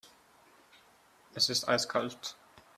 Es ist eiskalt.